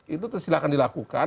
itu silahkan dilakukan